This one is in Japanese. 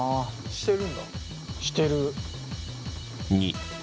してる。